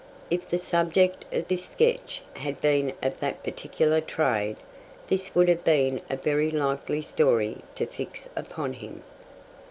If the subject of this sketch had been of that particular trade, this would have been a very likely story to fix upon him.